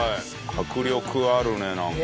迫力あるねなんか。